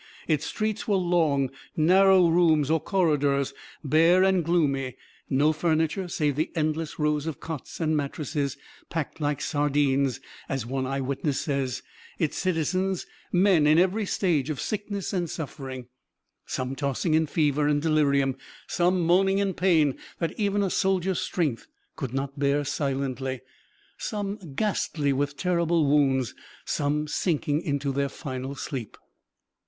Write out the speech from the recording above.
Its streets were long, narrow rooms or corridors, bare and gloomy; no furniture save the endless rows of cots and mattresses, "packed like sardines," as one eye witness says; its citizens, men in every stage of sickness and suffering; some tossing in fever and delirium; some moaning in pain that even a soldier's strength could not bear silently; some ghastly with terrible wounds; some sinking into their final sleep.